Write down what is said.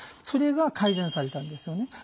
それが改善されたんですよね。